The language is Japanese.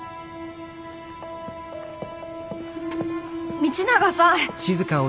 道永さん！